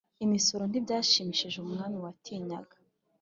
imisoro Ntibyashimishije umwami watinyaga